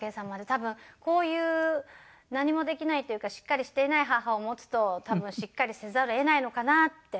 多分こういう何もできないっていうかしっかりしていない母を持つと多分しっかりせざるを得ないのかなって。